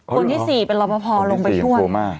คนที่สี่เป็นรับพอลงไปช่วย